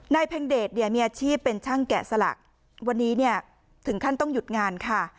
เพ็งเดชเนี่ยมีอาชีพเป็นช่างแกะสลักวันนี้เนี่ยถึงขั้นต้องหยุดงานค่ะ